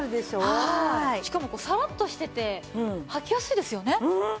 しかもサラッとしててはきやすいですよね。